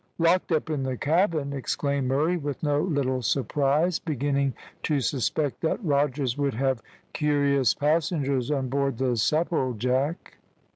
"Locked up in the cabin!" exclaimed Murray, with no little surprise, beginning to suspect that Rogers would have curious passengers on board the Supplejack.